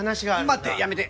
待ってやめて。